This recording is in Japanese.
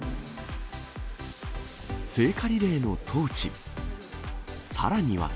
聖火リレーのトーチ。